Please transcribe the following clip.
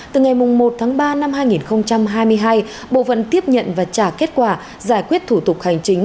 từ ngày một tháng ba năm hai nghìn hai mươi hai bộ phận tiếp nhận và trả kết quả giải quyết thủ tục hành chính